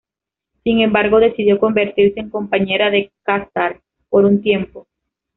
Sin embargo, decidió convertirse en compañera de Quasar por un tiempo.